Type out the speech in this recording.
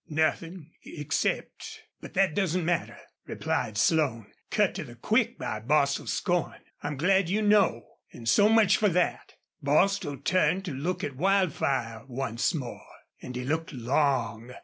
"Nothin' except But that doesn't matter," replied Slone, cut to the quick by Bostil's scorn. "I'm glad you know, an' so much for that." Bostil turned to look at Wildfire once more, and he looked long.